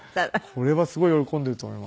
これはすごい喜んでいると思います。